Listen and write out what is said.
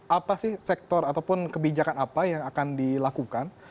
apa sih sektor ataupun kebijakan apa yang akan dilakukan